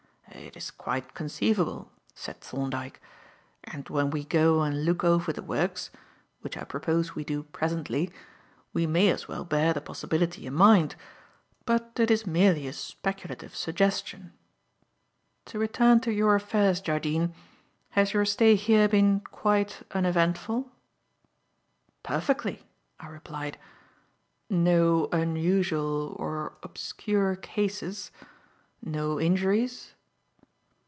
"It is quite conceivable," said Thorndyke, "and when we go and look over the works which I propose we do presently we may as well bear the possibility in mind. But it is merely a speculative suggestion. To return to your affairs, Jardine, has your stay here been quite uneventful?" "Perfectly," I replied. "No unusual or obscure cases? No injuries?"